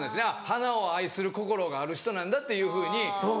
花を愛する心がある人なんだっていうふうに思われ。